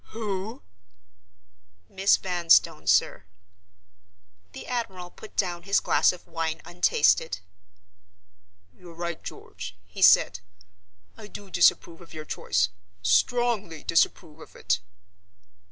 "Who!!!" "Miss Vanstone, sir." The admiral put down his glass of wine untasted. "You're right, George," he said. "I do disapprove of your choice —strongly disapprove of it."